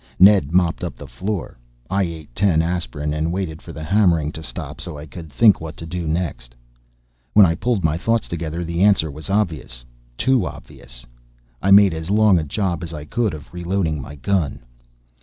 Ned mopped up the floor. I ate ten aspirin and waited for the hammering to stop so I could think what to do next. When I pulled my thoughts together the answer was obvious. Too obvious. I made as long a job as I could of reloading my gun.